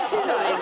今。